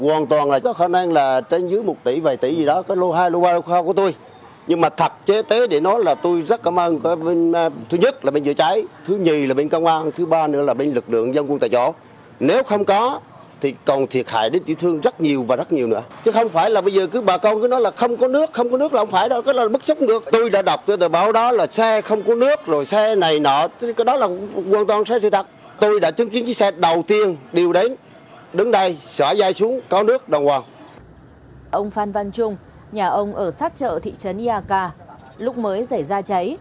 ông phan văn trung nhà ông ở sát chợ thị trấn eak lúc mới xảy ra cháy